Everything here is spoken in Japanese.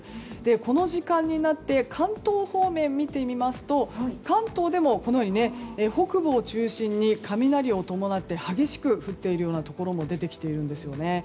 この時間になって関東方面を見てみますと関東でも北部を中心に雷を伴って激しく降っているようなところも出てきているんですよね。